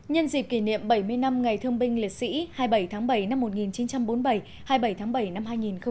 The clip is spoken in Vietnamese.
nhân dịp kỷ niệm bảy mươi năm ngày thương binh liệt sĩ hai mươi bảy tháng bảy năm một nghìn chín trăm bốn mươi bảy hai mươi bảy tháng bảy năm hai nghìn một mươi chín